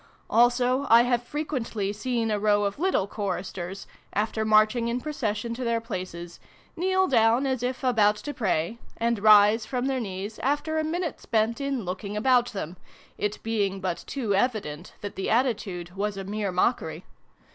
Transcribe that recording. Also I have frequently seen a row of little choristers, after marching in procession to their places, kneel down, as if about to pray, and rise from their knees after a minute spent in looking about them, it being but too evident that the attitude was a mere mockery.